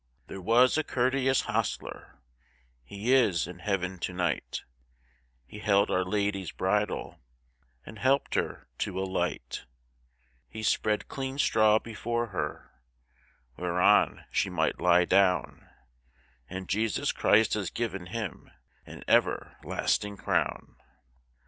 There was a courteous hostler (He is in Heaven to night) He held Our Lady's bridle And helped her to alight; He spread clean straw before her Whereon she might lie down, And Jesus Christ has given him An everlasting crown.